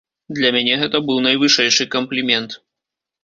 Для мяне гэта быў найвышэйшы камплімент.